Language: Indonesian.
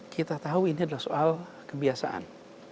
kita tahu ini adalah soal kebiasaan